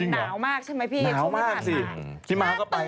หนาวมากใช่มั้ยพี่หนาวมากสิ